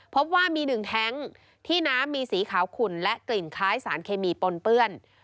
พบว่ามีหนึ่งแท้งที่น้ำมีสีขาวขุ่นและกลิ่นคล้ายสารเคมีปนเปื้อน